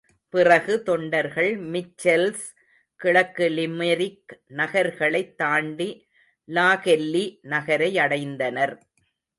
பிறகு தொண்டர்கள் மிச்செல்ஸ், கிழக்கு லிமெரிக் நகர்களைத் தாண்டி லாகெல்லி நகரையடைந்தனர்.